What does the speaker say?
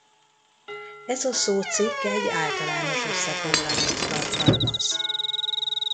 Ez a szócikk egy általános összefoglalót tartalmaz.